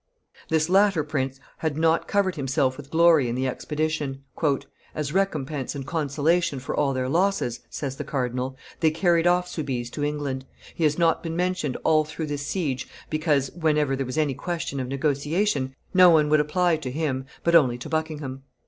This latter prince had not covered himself with glory in the expedition. "As recompense and consolation for all their losses," says the cardinal, "they carried off Soubise to England. He has not been mentioned all through this siege, because, whenever there was any question of negotiation, no one would apply to him, but only to Buckingham.